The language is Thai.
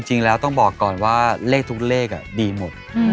จริงแล้วต้องบอกก่อนว่าเลขทุกเลขดีหมด